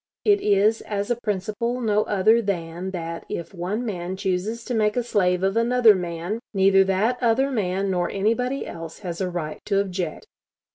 It is as a principle no other than that, if one man chooses to make a slave of another man, neither that other man nor anybody else has a right to object....